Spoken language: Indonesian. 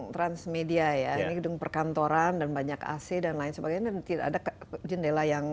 transmedia ya ini gedung perkantoran dan banyak ac dan lain sebagainya tidak ada jendela yang